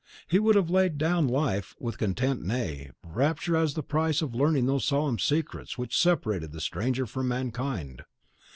He would have laid down life with content nay, rapture as the price of learning those solemn secrets which separated the stranger from mankind.